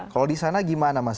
kalau di sana gimana mas